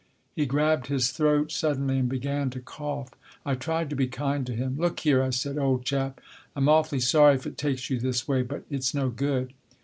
'' He grabbed his throat suddenly and began to cough. I tried to be kind to him. " Look here," I said, " old chap. I'm awfully sorry if it takes you this way. But it's no good."